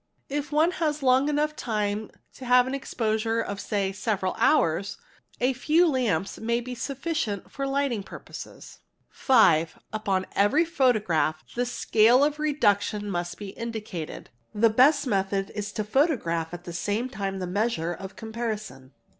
If one S long enough time to have an exposure of say several hours, a few ips may be sufficient for lighting purposes. cea ar a nL MT IR sad FIRST SGA SA 264 THE EXPERT 5. Upon every photograph the scale of reduction must be indicated ; the best method is to photograph at the same time the measure of com — parison.